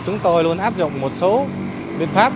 chúng tôi luôn áp dụng một số biện pháp